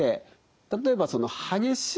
例えばその激しいですね